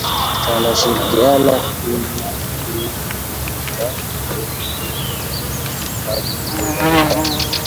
Wanashirikiana kumdhihaki na kumtimua Padri nyumbani kwao